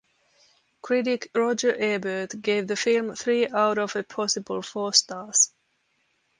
Critic Roger Ebert gave the film three out of a possible four stars.